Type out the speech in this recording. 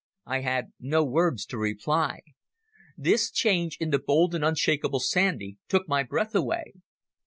I had no words to reply. This change in the bold and unshakeable Sandy took my breath away.